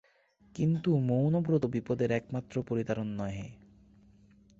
কিন্তু মৌনব্রত বিপদের একমাত্র পরিতারণ নহে।